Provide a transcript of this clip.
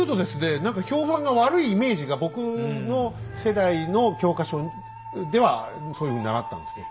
何か評判が悪いイメージが僕の世代の教科書ではそういうふうに習ったんですけど。